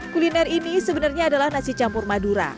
kuliner ini sebenarnya adalah nasi campur madura